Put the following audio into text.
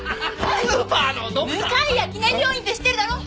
向谷記念病院って知ってるだろ！